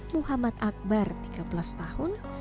muhammad akbar tiga belas tahun